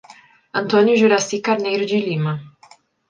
Antônio Juraci Carneiro de Lima